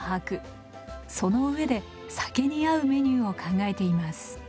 そのうえで酒に合うメニューを考えています。